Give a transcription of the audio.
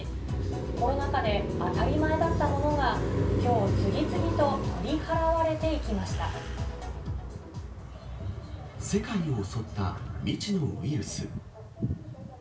コロナ禍で当たり前だったものが、きょう、世界を襲った未知のウイルス。